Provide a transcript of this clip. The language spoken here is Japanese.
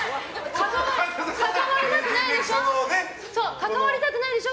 関わりたくないでしょ